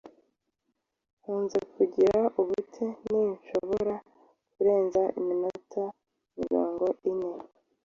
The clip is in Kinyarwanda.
nkunze kugira ubute sinshobora kurenza iminota mirongo ine